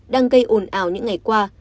đang gây ồn ảo những ngày qua